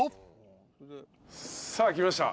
さあ来ました。